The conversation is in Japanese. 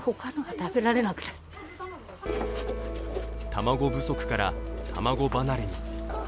卵不足から卵離れに。